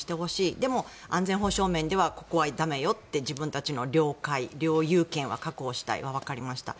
でも安全保障面ではここは駄目よと自分たちの領海、領有権は確保したいはわかりました。